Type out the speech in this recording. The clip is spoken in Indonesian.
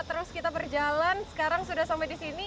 terus kita berjalan sekarang sudah sampai di sini